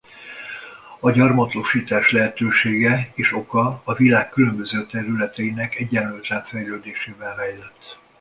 A gyarmatosítás lehetősége és oka a világ különböző területeinek egyenlőtlen fejlődésében rejlett.